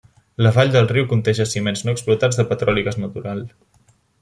La vall de riu conté jaciments no explotats de petroli i gas natural.